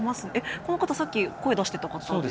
この方さっき声出してた方？